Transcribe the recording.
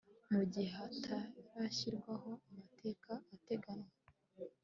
Mu gihe hatarashyirwaho amateka ateganywa